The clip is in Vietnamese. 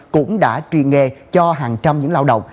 cũng đã truyền nghề cho hàng trăm những lao động